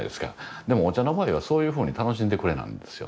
でもお茶の場合はそういうふうに楽しんでくれなんですよ。